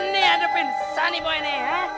nih hadapin sani boy nih ha